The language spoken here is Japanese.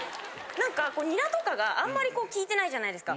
なんかニラとかがあんまりこう利いてないじゃないですか。